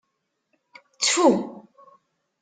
Ttfu!